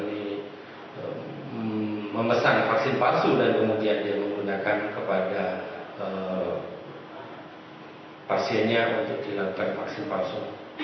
dia memesan vaksin palsu dan kemudian dia menggunakan kepada pasiennya untuk dilakukan vaksin palsu